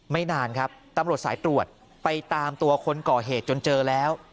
นานครับตำรวจสายตรวจไปตามตัวคนก่อเหตุจนเจอแล้ว